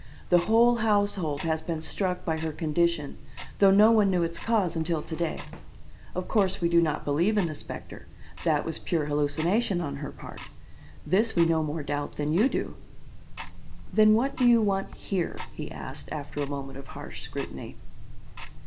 The whole household has been struck by her condition, though no one knew its cause until to day. Of course, we do not believe in the specter; that was pure hallucination on her part. This we no more doubt than you do." "Then what do you want here?" he asked, after a moment of harsh scrutiny.